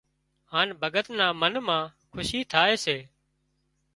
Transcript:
هانَ ڀڳت نا منَ مان کُشي ٿائي سي